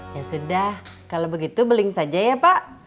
ya sudah kalau begitu beli saja ya pak